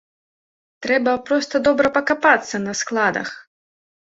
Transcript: Трэба проста добра пакапацца на складах.